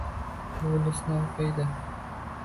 «Uliss»ni o’qiydi